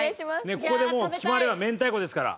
ここでもう決まれば明太子ですから。